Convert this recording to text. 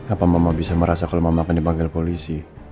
apa mama bisa merasa kalau mama akan dipanggil polisi